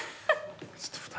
ちょっと２人。